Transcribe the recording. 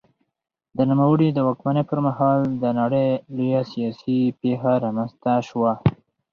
د نوموړي د واکمنۍ پر مهال د نړۍ لویه سیاسي پېښه رامنځته شوه.